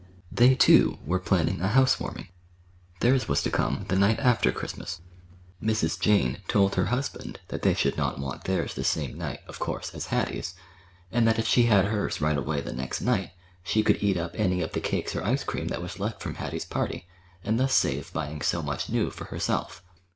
They, too, were planning a housewarming. Theirs was to come the night after Christmas. Mrs. Jane told her husband that they should not want theirs the same night, of course, as Hattie's, and that if she had hers right away the next night, she could eat up any of the cakes or ice cream that was left from Hattie's party, and thus save buying so much new for herself.